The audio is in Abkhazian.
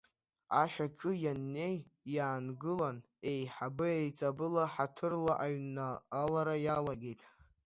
Ашә аҿы ианнеи иаангылан, еиҳабы-еиҵбыла, ҳаҭырла аҩналара иалагеит.